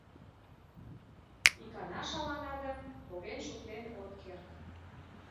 Икана шалана гын, поген шуктен от керт.